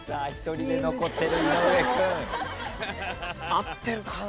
合ってるかな？